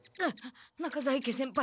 中在家先輩